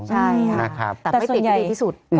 ใช่แต่ไม่ติดที่ดีที่สุด